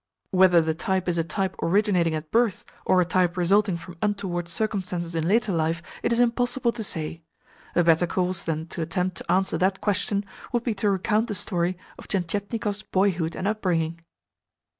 Whether the type is a type originating at birth, or a type resulting from untoward circumstances in later life, it is impossible to say. A better course than to attempt to answer that question would be to recount the story of Tientietnikov's boyhood and upbringing.